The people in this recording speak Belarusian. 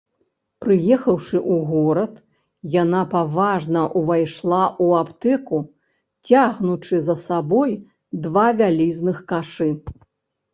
Прыехаўшы ў горад, яна паважна ўвайшла ў аптэку, цягнучы за сабой два вялізных кашы.